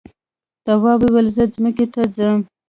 تواب وویل زه ځمکې ته ځم.